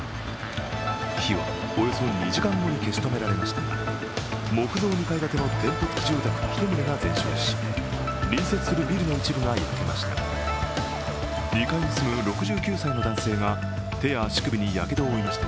火はおよそ２時間後に消し止められましたが木造２階建ての店舗付き住宅１棟が全焼し隣接するビルの一部が焼けました。